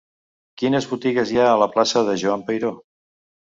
Quines botigues hi ha a la plaça de Joan Peiró?